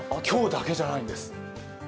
今日だけじゃないんです。